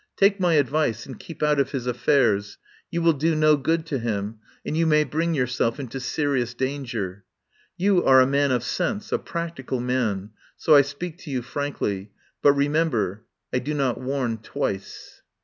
Take my advice and keep out of his affairs. You will do no good to him, and you may bring your self into serious danger. You are a man of sense, a practical man, so I speak to you frankly. But, remember, I do not warn twice."